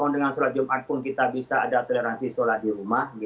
dengan sholat jumat pun kita bisa ada toleransi sholat di rumah